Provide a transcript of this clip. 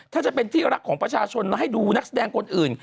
ถ้าจะเป็นที่รักของประชาชนให้ดูนักแสดงคนอื่น